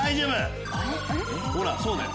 ほらそうだよ